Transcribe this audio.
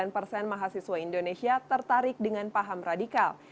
sembilan persen mahasiswa indonesia tertarik dengan paham radikal